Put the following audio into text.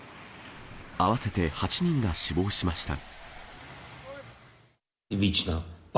合わせて８人が死亡しました。